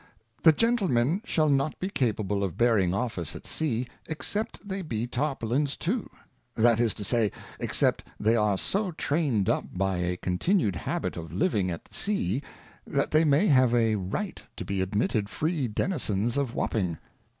The Gentlemen shall not be capable of bearing Office at Sea, except they be Tarpaulins too ; that is to say, except they are so trained up by a continued habit of living at of a New Model at Sea, 1694. 177 at Sea, that they may have a Right to be admitted free Denizens of Wapping.